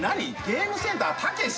ゲームセンターたけし？